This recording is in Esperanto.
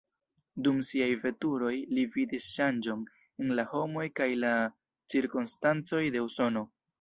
Dum siaj veturoj, li vidis ŝanĝon en la homoj kaj la cirkonstancoj de Usono.